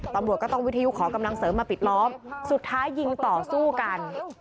ตำรวจก็ต้องวิทยุขอกำลังเสริมมาปิดล้อมสุดท้ายยิงต่อสู้กัน